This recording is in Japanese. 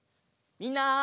みんな！